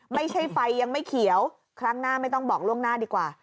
ไม่ใช่ไฟยังไม่เขียวครั้งหน้าไม่ต้องบอกล่วงหน้าดีกว่า